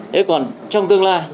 thế còn trong tương lai